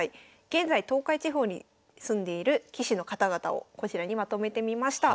現在東海地方に住んでいる棋士の方々をこちらにまとめてみました。